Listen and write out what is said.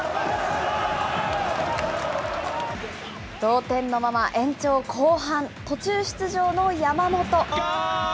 同点のまま延長後半、途中出場の山本。